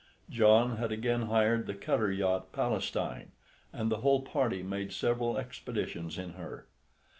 John had again hired the cutter yacht Palestine, and the whole party made several expeditions in her.